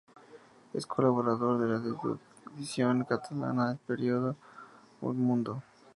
Es colaborador de la edición catalana del periódico "El Mundo".